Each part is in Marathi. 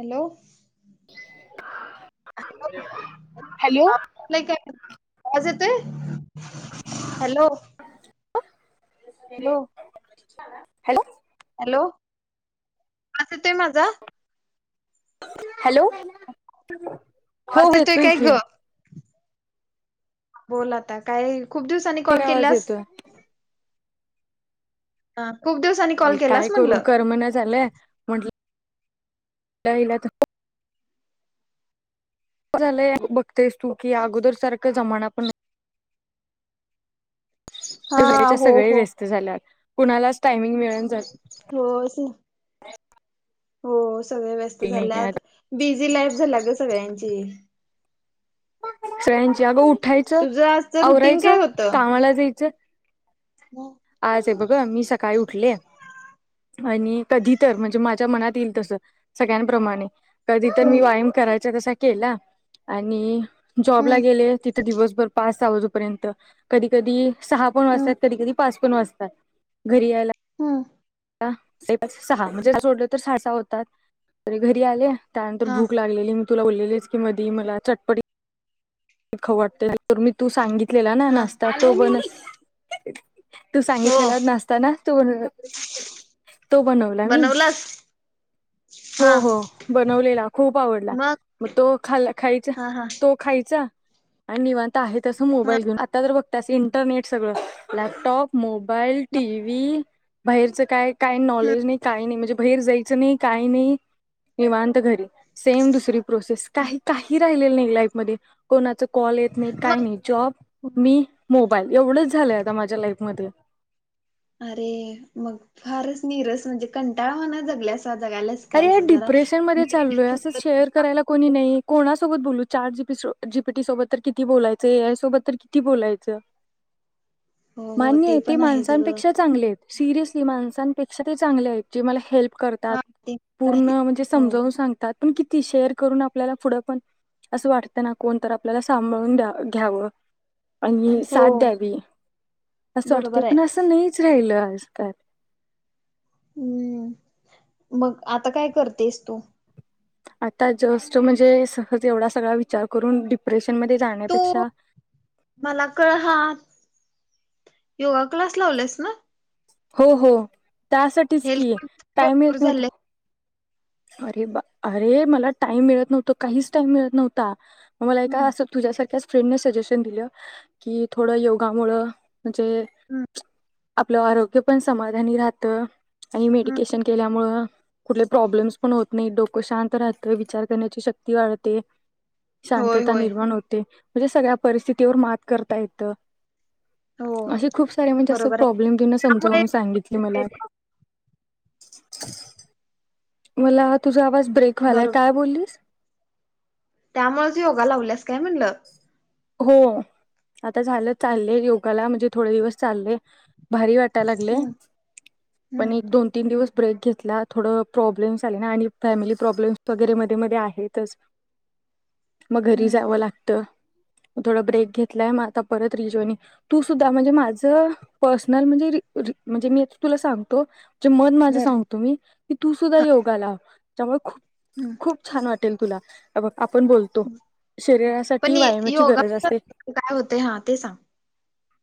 हॅलो हॅलो हॅलो आवाज काय आवाज येते [inaudible] हॅलो त [inaudible] हॅलो हॅलो आवाज येतोय माझा हॅलो हो आ ते तोय येतोय काय की ग बोलाता काय खूप दिवसांनी कॉल आवाज केल्यास येतोय हा खूप दिवसांनी अ कॉल काय केलास करू म्हटलं कर म्हना झालंय म्हंटलं नाहीहिला तर झालंय बघतास तू की अगोदर सारखा जमाना पण स हा वळीच्या हो सगळे हो व्यस्त झाल्यात कुणालाच टायमिंग मिळल जात हो स- हो सग व्यस्त झाल्या नाही बिझी लाईफ झाला ग सगळ्यांची फ्र्यांची अगं उठ उठायचं तुझं आजचं रुटीन काय आवरायचं कामाला जायचं ह आज बघ मी सकाळी उठले आणि कधी तर म्हणजे माझ्या मनात येईल तस सगळ्यांप्रमाणे कधी तर मी हम्म व्यायाम करायचा कस केला आणि जॉब ला गेले तिथे दिवस पाच वाजपर्यंत कधी कधी सहा पण हम्म वार्षात कधी कधी घरी हम सहा म्हणजे सोडलं तर सहा सहा होतात तरी घरी आले त्यानंतर हा भूक लागलेली तुला बोललेलीस की मधी मला चटपट ख वाटते तर मी तू सांगितलेला ना हा नसता तो बण तू हो सांगितलेला नसता ना तूण तो बनला मी बनवलास हो हा हो बनवलेला खूप आवडला मग तो खा खायचा हा हा तो खायचा आणि निव आहेसं हा मोबाईल घेऊ आता तर बघ त्याच इंटरनेट सगळं लॅपटॉप मोबाईल टीव्ही बाहेरच काय काही नॉलेज नाही काही नाही म्हणजे बाहेर जायचं नाही काही नाही निवांत घरी सेम दुसरी प्रोसेस का काही लाईफ मध्ये कोणाच कॉल येत नाही काय नाही जॉब मग मी मो बाल एवढंच झालंय आता माझ्या लाईफमध्ये. अरे मग फारच नीरस म्हणजे कंटाळवा ना जगल्यास. जगायलाच अरे काय या असं जरा डिप्रेशन मध्ये चालोय मेडिटेशन असं कर शेअर करायला कोणी नाही कोणा त बोलू चार जीी जीपीटी सोबत तर किती बोलायचं ए आय सोबत तर किती बोलायचं. हो हो मान्य ते पण आहेच ग माणसपेक्षा चांगले सिरसली माण सन पेक्ष्या ते चांगलेत जे मला हेल्प करतात. हा ते तर पूर्ण आहे म्हणजे हो समजावून सांगतात. पण किती शेअर करून आपल्याला पुढं पण असं वाटतं ना कोणत आपल्याला सांभाळून द्या घ्यावं. आणि हो साथ द्यावी असं वाटते बरोबर आहे पण असं नाहीच. राहिल आजकाल. हम्म मग आता काय करतेस तू.? आता जस्ट म्हणजे सहज एवढा सग विचार करून डप्रेश तू मला कळ हा. योगा क्लास लावलास ना. हो हो. त्यासाठीच हेल्थ की कॉन्शियस टाईम भरपूर येत नव्हत. झाले अरे बा अरे मला टाइम मिळत नव्हत काहीच टाइम मिळत नव्हता. मला हम्म का असं तुझ्यासारख्या फ्रेंडने सजेशन दिलं की थोडं योगामु म्हणजे हम्म आपलं आरोग्य पण समाधानी राहतं आणि हम्म मेडिटेशन केल्यामुळ कुठले प्रॉब्लेमस पण होत नाही डोकं शांत राहत विचार करण्याची शक्ती वाढते. होय शांतता होय निर्माण होते. म्हणजे सगळ्या परिस्थितीवर मात करता येतं. हो असे खूप सारे म्हणजे असं बरोबर आहे प्रॉब्लेम तु त्यामुळे समजवून सांगितले मला. मलाा तुझा आवाज ब्रेकवालाय बरोबर काय बोललीस.? त्यामुळेच योगा लावल्यास काय म्हनलं? हो आता झालं चाललेय योगाला म्हणजे थोडे दिवस चालले. भारी वाटाय लागले हम्म पण हम्म एक दोन तीन दिवस ब्रेक घेतला थोडं प्रॉब्लेम्स आले ना आणि फॅमिली प्रॉब्लेम्स वगैरे मध्ये मध्ये आहेतच. मग घरी हम्म जावं लागतं. थोडं ब्रेक घेतलाय आता परत रिजॉइनिंग, तू सुद्धा म्हणजे माझं, पर्सनल म्हणजे रि री म्हणजे मी आता तुला सांगतो.. मत माझे बर सांगतो मी की तू सुद्धा योगा लाव. [unintelligible] हम्म खूप छान वाटत. टेल तुला. बघ आपण बोलतो पण शरीरासाठी य- व्यायाम योगा [unintelligible] काय होते हा ते सांग.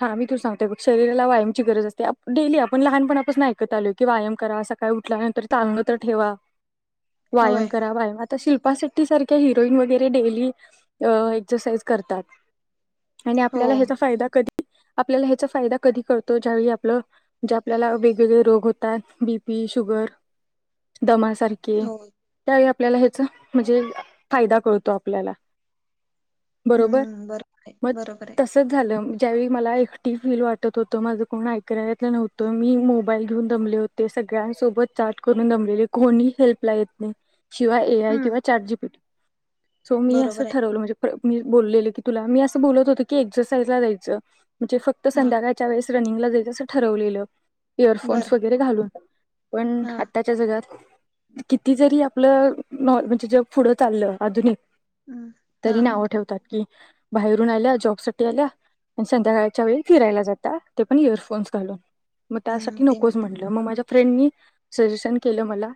हा मी तू सांगतेोय शरीराला व्यायामची गरज असते डेली आपण लहानपणापण ऐकत आलो की व्यायाम करा सकाळी उठल्या नंतर चाललं तर ठेवा. व्यायाम होय करा व्यायाम. शिल्पा शेट्टी सारख्या हिरोईन वगैरे डेलीक् एक्सरसाइज करतात. आणि हो आपल्याला ह्याचा फायदा कधी आपल्याला ह्याचा फायदा कधी करतो ज्यावेळी आपलं जे आपल्याला वेगवेगळे रोग होतात बीपी शुगर. दमासारखे हो त्या.. आपल्याला ह्याच म्हणजे फायदा कळतो आपल्याला. बरोबर हम्म बरोबर आहे मग बरोबर आहे. तसच झालं त्यावेळी मला एकटी फील वाटत होतं माझं कोण ऐकनारातलं नव्हतं मी मोबाईल घेऊन दमले होते सगळ्यांसोबत चाट करून दमलेले कोणी हेल्पला येत नाही. शिवाय ए आय हम्म किंवा चार जी सो मी असं बरोबर आहे ठरवलं म्हणजे मी बोलले की तुला मी असं बोलत होत की एक्सरसाईजला जा्यायच म्हणजे फक्त हा संध्याकाळच्या वेळेस रनिंगला जायचं असं ठरवलेलं. बरं इयरफोन्स वगैरे घालून. पण हा हा. आत्ताच्या जगात किती जरी आपलं नॉ म्हणजे जग पुढं चाललं आधुनिक हम् तरी नावं ठेवतात की बाहेरून आल्या जॉब साठी आल्या आणि संध्याकाळच्या वेळी फिरायला जाता ते पण इयरफोन्स घालून. मग हम्म त्यासाठी ते नकोच मात्र म्हंटलं मग माझ्या फ्रेंडनी सजेशन केलं मला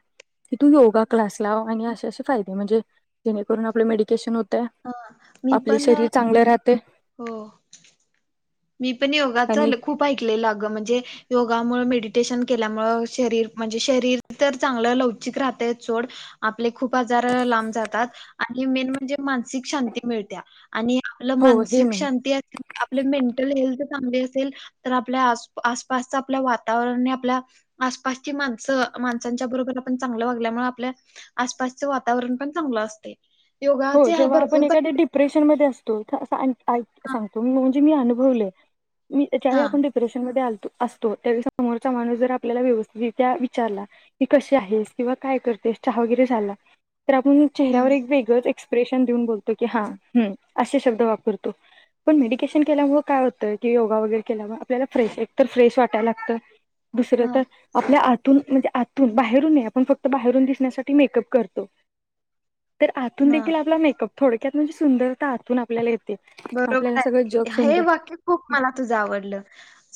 की तू योगा क्लास लाव आणि असे असे फायदे म्हणजे जेणेकरून आपल मेडीटेशन होतंय. हा मी आपले पण शरीर अ, चांगलं राह ते हो मी पण योगाच आणि खूप ऐकलेलं अं म्हणजे योग मुळ मेडिटेशन केल्यामुळे म्हणजे तर शरीर लवचिक राहते आपले खूप आजार लांब जातात आणि मेन म्हणजे मानसिक शांती मिळते आणि हो हे मानसिक मेन शांती आपल चांग असेल तर आपल्या आस आसपास आपल्या वातावरण आणि आपल्या हो योगाचे हा जेव्हा भरपूर आपण एखाद्या डिप्रेशनमध्ये असतो. तो इथं असं हा सांगतो मी अनुभवले मी त्या्च्यावेळी हा आपण डिप्रेशनमध्ये आलतो. असतो त्या समोरचा माणूस जर आपल्याला व्यवस्थितित्या विचारला की कशी आहेस किंवा काय करतेस चहा वगैरे झाला तर आपण हा चेहऱ्यावर एक वेगळंच एक एक्सप्रेशन देऊन बोलतो की हा असे शब्द वापरतो पण मेडिटेशन केल्यामु काय होतं की योगा वगैरे केल्यामुळे आपल्याला फ्रेश एकतर फ्रेश वाटाला लागतं. दुसरं हा तर आपल्या आ म्हण आतून नाही तर बाहेरून आपण फक्त बाहेरून दिसण्यासाठी मेकप करतो तून हा देखील आपला मेकअप थोडक्यात म्हणजे सुंदरता हातून आपल्यालाेत बरोबर आहे हे वाक्य खूप मला तुझ आवडलं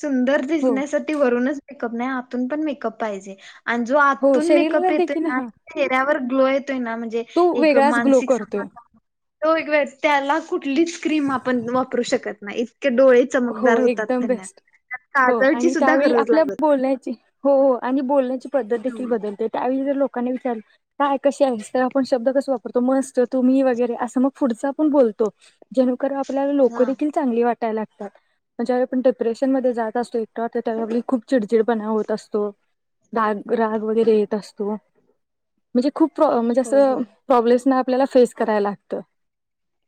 सुंदर हो दिसण्यासाठी वरूनच मेकअप नाही पण मेकअप पाहिजे आणि जो हो आतून मेकअप शरीराला येतोय देखील ना हा त चेहऱ्यावर वय ना म्हणजे तो एक वेगळाच ग्लो मानसिक करतोय. समाधान त एक त्याला कुठली क्रीम आपण वापरू शकत नाही डोळे हो चमकदार होतात एकदम त्यांना. बेस्ट त्यात हो काजळची आणि सुद्धा त्यावेळी गरज आपल्या लागत बोलण्याची हो आणि बोलण्याची पध देख नाही. बदलते त्यावेळी लोकांनी विचारलं काय कशी आहे तर आपण शब्द कस वापरतो मस्त तू मी वगैरे असं मग पुढचा आपण बोलतो जणुकर आपल्याला लोक हा देखील चांगली वाटते त्याला ज्या आपण डिप्रेशन मध्ये जात असतो एकट त्या खूप चिडचिडपणाव होत असतो राग राग वगैरे येत असतो म्हणजे खूप प्रॉ म्हणजे होय असं होय प्रॉब्लेम्स ना आपल्याला फेस करायला लागत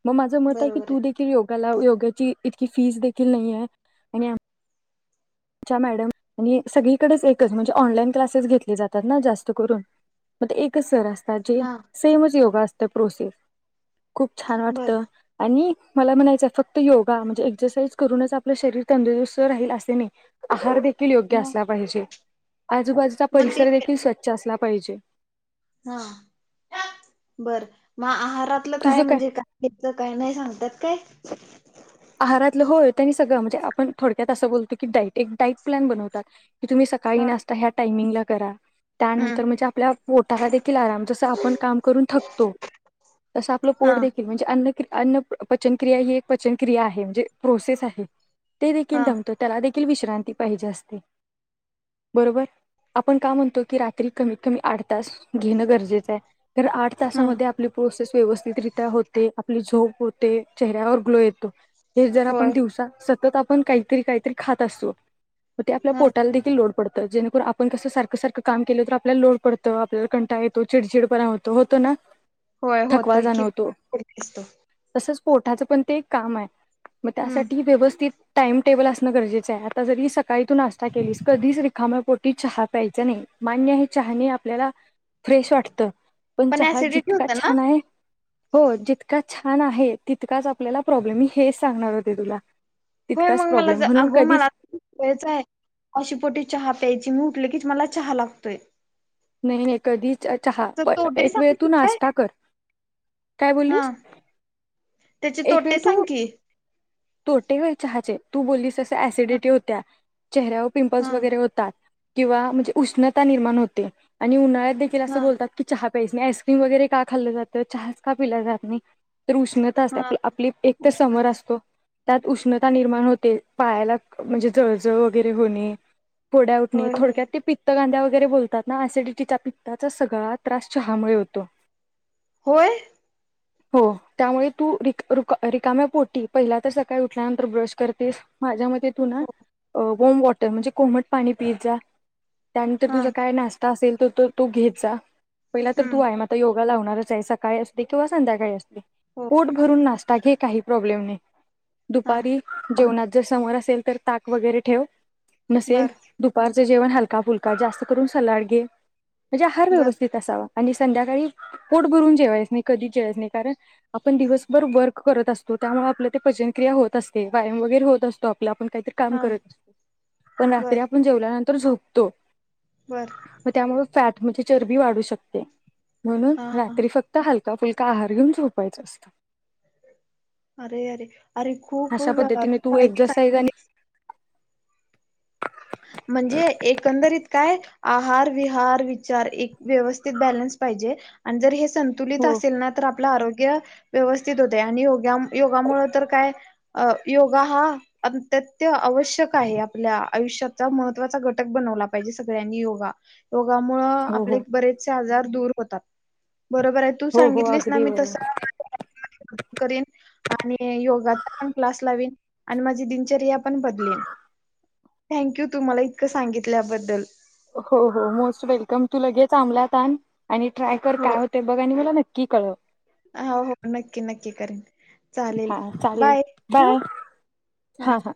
मग माझं मत आहे की तू देखील योग कला उपयोगाची की फीस देखील नाही आहे आणि आमच्या या मॅडम आणि सगळीकडेच एकच म्हणजे ऑनलाईन क्लासेस घेतले जातात ना जास्त करून मग ते एकच सर असत जी हा सेमचं योगा त्या प्रोसेस खूप छान वाटत बरं आणि मला म्हणायचंय फक्त योगा म्हणजे एक्सरसाइज करूनच आपलं शरीर तंदुरुस्त राहील असे नाही आहार देखील देखील योग्य मग असला पाहिजे आजूबाजूचा मग ते परिसर देखील स्वच्छ असला पाहिजे हा बर म आहार् घातलं काय म्हणजे काय घ काय नाही सांगतात काय आहारातलं होय त्यांनी सगळं म्हणजे आपण थोडक्यात असं बोलतो की डाईट एक डाईट प्लॅन बनवतात तुम्ही हा सकाळी नाशता ह्या टामिंगला करा हम्म त्यानंतर म्हणजे आपल्या पोटा साठी आराम जस आपण काम करून थकतो तस आपलं हा पोट देखील म्हणजे अन्न क्रिया अन्न पचनक्रिया ही एक पचन क्रिया आहे म्हणजे प्रोसेस आहे ते देखील हा दमतो त्याला विश्रांती पाहिजे असते बरोबर आपण का म्हणतो की रात्री कमीत कमी आठ तास घेणं गरजेचं आहे तर आठ हा तासामध्ये आपली प्रोसेस व्यवस्थित रित्या होते आपली झोप होते चेहऱ्यावर ग्लो येतो हे जर होय आपण दिवसा त आपण काहीतरी काहीतरी खात असतो मग ते आपल्या हा पोटाला देखील लोड पडत तर जेणेकरून आपण कसं सारखं सारखं काम केलं तर आपल्याला लोड पडतं आपल्याला कंटाळा येतो चिडचिडपणा होतं होतं ना होय थकवा होतय की जाणवतो पोट दिसतो तसंच पोटाचं पण ते एक काम आहे मग हम्म त्यासाठी व्यवस्थित टाइम टेबल असणं गरजेचं आहे आता जरी सकाळी तू नाश्ता केलीस कधीच रिखाम पोटी चहा प्यायचं नाही मान्य हे चहा नाही आपल्याला फ्रेश वाटत पण चहा ऍसिडिटी जितका होतं ना छान आहे हो जितका छान आहे तितकाच आपल्याला प्रॉब्लेमही हेच सांगणार होते तुला होय मग मला प्रॉब्लेम म्हणून अगो कधीच मला सवययच आहे उपाशी श पोटी चहा प्यायची मग की मला चहा लागतोय मेहनत [unintelligible] कधी चहा तर प तोटे एक वेळ सांग तू काय नाश्ता कर काय बोललीस हा त्याचे तोटे सांग की तोटेय चहाचे तू बोललीस हा असिडिटी होत चेहऱ्या व पिंपल्स हा वगैरे होतात किंवा म्हणजे उष्णता निर्माण होते आणि उन्हाळ्यात देख हा असं बोलतात की चहा नाही आईस्क्रीम वगैरे का खाल्लं जातं चहा का पिला जात नाही तर उष्णता असते हा आप आपली एक तर समर उष्णता असते असतो उष्णता निर्माण होते पायाला म्हणजे जळजळ वगैरे होणे फोड्या उठणे होय होय तोडक्यात ते पित्त गाद्यावर बोलतात ना सिडिटीच्या पित्ताचा सगळा त्रास चहामुळे होतो होय हो त्यामुळे तू रिकाम्या पोटी पहिल्य तर काय उठल्यानंतर ब्रश करतेस माझ्या मध्ये तू ना हो वर्मा वॉटर म्हणजे कोमट पाणी पिय जा त्यानंतर हा तुझा काय नाश्ता असेल तू घेत जा पहिला तर तू हम्म आहे व्हायम योग लावणारच आहे सकाळी असते किंवा संध्याकाळी अस हो पोट भरून नासत आता काही प्रॉब्लेम नाही हा दुपारी जेवणा जर समोर असेल तर ताक वगैरे ठेव नसेल बर दुपार जेवण हलका फुलका जास्त करून सलाड घे म्हणजे आहार बर व्यवस्थित असावा आणि संध्याकाळी पोट भरून जेवायच नाही कधीच जेयच नाही कारण आपण दिवसभर वर्क करत असतो त्यामुळे आपलं ते पजनक्रिया होतते्यायाम वगैरे होत असतो आप आप आपण काहीतरी काम हा करततो पण बर रात्री आपण जेवलांत तर झोपतो बर म त्यामुळे फॅट म्हणजे चरबी वाढू शकते म्हणून हा हा रात्री फक्त हल फुलका आहार घेऊन झोपायच असत अरे यारे अरे खूप खुप रागात पद्धतीने तू माहिती एक्झरसाईज आणि सांगली म्हणजे एकंदरीत काय आहार विहार विचार एक व्यवस्थित बॅलन्स पाहिजे आणि जर हेच संतुलित हो असेल ना तर आपलं आरोग्य योगा आपल्या आयुष्यात अत्यंत महत्त्वाचा आहे योगा हा जीवनाचा महत्त्वाचा घटक बनवला पाहिजे सर्वांनी रोगामुळ हो आपले हो बरेचसे आजार दूर होतात. बरोबर आहे तू हो हो सांगितलीस ना अगदी मी तस बरोबर करीन आणि योगाचा पण क्लास लावेन आणि माझी दिनचर्या पण बदलेन थँक्यू. तुम्हाला इतकं सांगितल्याबद्दल हो हो मोस्ट वेलकम तू लगेच आंमलातन आण. आणि ट्राय कर काय होते बघा आणि मला नक्की क कळ ह हो हो नक्की नक्की. क करे हा चालेल बाय हा हा.